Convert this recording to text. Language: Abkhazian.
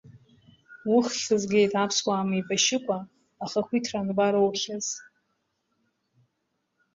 Уххь згеит, аԥсуаа меибашьыкәа ахақәиҭра анбароухьаз?